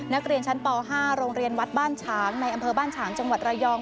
นักเรียนชั้นป๕โรงเรียนวัดบ้านฉางในอำเภอบ้านฉางจังหวัดระยอง